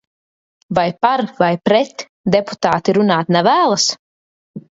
"Vai "par" vai "pret" deputāti runāt nevēlas?"